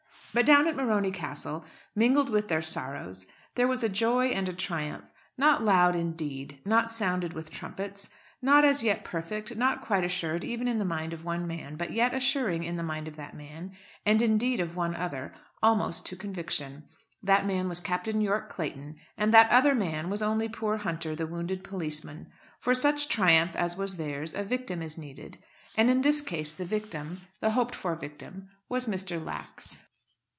But down at Morony Castle, mingled with their sorrows, there was a joy and a triumph; not loud indeed, not sounded with trumpets, not as yet perfect, not quite assured even in the mind of one man; but yet assuring in the mind of that man, and indeed of one other, almost to conviction. That man was Captain Yorke Clayton, and that other man was only poor Hunter, the wounded policeman. For such triumph as was theirs a victim is needed; and in this case the victim, the hoped for victim, was Mr. Lax.